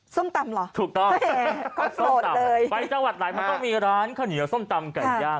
ส้มตำเหรอโอเคโคตรโสดเลยถูกต้องไปจังหวัดไหนมันต้องมีร้านขนิยวส้มตำไก่ย่าง